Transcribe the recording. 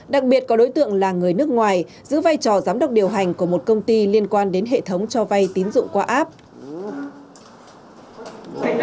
đặc biệt có đối tượng là người nước ngoài giữ vai trò giám đốc điều hành của một công ty liên quan đến hệ thống cho vay tín dụng qua app